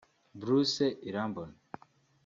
Bruce Irambona